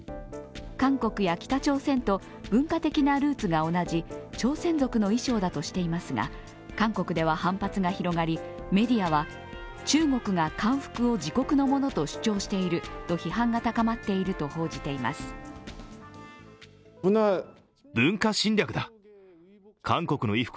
韓国や北朝鮮と文化的なルーツが同じ朝鮮族の衣装だとしていますが、韓国では反発が広がり、メディアは、中国が韓服を自国のものと主張していると批判が高まっていると報じていまする